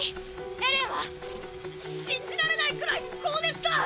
エレンは⁉信じられないくらい高熱だ！